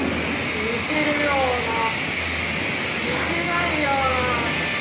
似てるような似てないような。